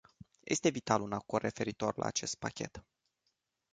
Este vital un acord referitor la acest pachet.